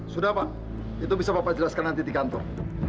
sudah pak itu bisa bapak jelaskan nanti di kantor